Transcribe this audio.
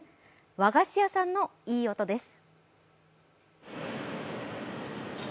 和菓子屋さんのいい音です。